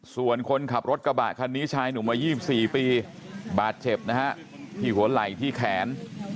ส่วนคนขับรถกระบะคันนี้ชายหนุ่มวัย๒๔ปีบาดเจ็บนะฮะที่หัวไหล่ที่แขน